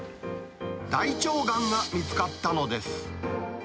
大腸がんが見つかったのです。